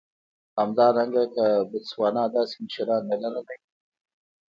همدارنګه که بوتسوانا داسې مشران نه لر لای.